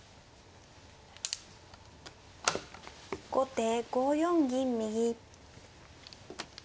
後手５四銀右。